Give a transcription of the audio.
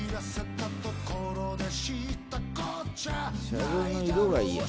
車両の色がいいよ。